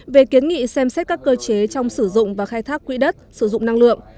về kiến nghị xem xét các cơ chế trong sử dụng và khai thác quỹ đất sử dụng năng lượng